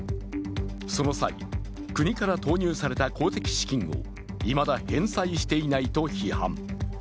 その際、国から投入された公的資金をいまだ返済していないと批判。